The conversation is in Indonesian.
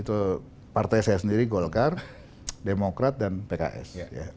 itu partai saya sendiri golkar demokrat dan pks